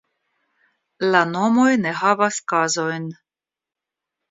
La nomoj ne havas kazojn.